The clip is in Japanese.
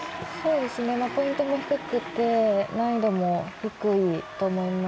ポイントも低くて難易度も低いと思います。